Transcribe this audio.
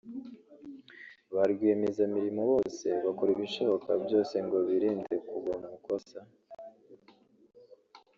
Ba rwiyemezamirimo bose bakora ibishoboka byose ngo birinde kugwa mu makosa